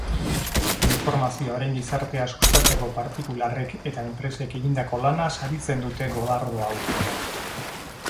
Informazioaren gizartea sustatzeko partikularrek eta enpresek egindako lana saritzen dute golardo hauek.